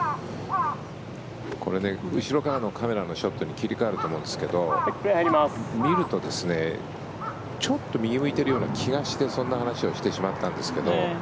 これ、後ろからのカメラのショットに切り替わると思うんですが見ると、ちょっと右を向いているような気がしてそんな話をしてしまったんですけど。